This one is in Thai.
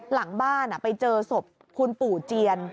หลังบ้านไปเจอศพคุณปู่เจียน